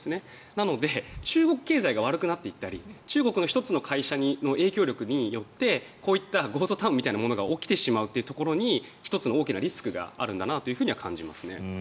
なので、中国経済が悪くなっていったり中国の１つの会社の悪化によってこういったゴーストタウンみたいなものが起きてしまうというところに１つの大きなリスクがあるんだなと感じますね。